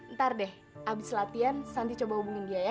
ntar deh abis latihan sandi coba hubungin dia ya